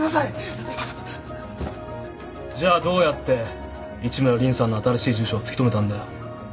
じゃあどうやって市村凜さんの新しい住所を突き止めたんだよ？